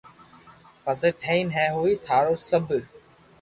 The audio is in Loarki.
پسو ٺين ھي ھوئي ٿارو سب